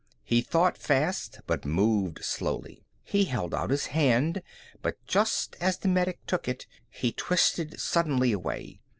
He thought fast but moved slowly. He held out his hand, but just as the medic took it, he twisted suddenly away.